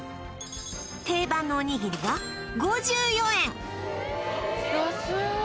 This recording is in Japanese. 定番のおにぎりが５４円